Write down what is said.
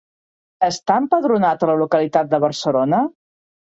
Està empadronat a la localitat de Barcelona?